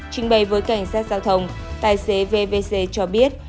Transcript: trình bày với cảnh sát giao thông tài xế vvc cho biết